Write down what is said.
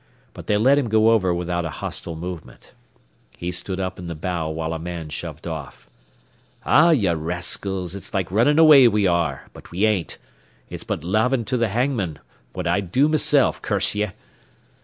But they let him go over without a hostile movement. He stood up in the bow while a man shoved off. "Ah, ye raskils, it's like runnin' away we are, but we ain't. It's but lavin' to th' hangman what I'd do meself, curse ye."